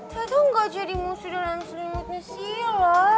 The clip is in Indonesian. tata gak jadi musuh dalam selimutnya silla